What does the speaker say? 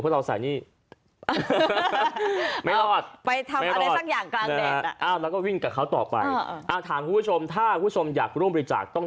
ไปสนามกีฬาสนามกีฬามาสระกัง